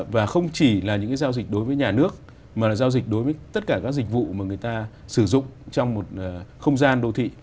và không chỉ là những giao dịch đối với nhà nước mà là giao dịch đối với tất cả các dịch vụ mà người ta sử dụng trong một không gian đô thị